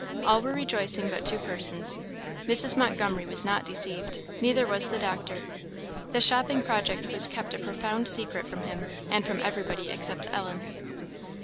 All were rejoicing but two persons Mrs. Montgomery was not deceived, neither was the doctor. The shopping project was kept a profound secret from him, and from everybody except Ellen.